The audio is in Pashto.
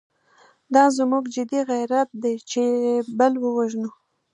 دا زموږ جدي غیرت دی چې بل ووژنو.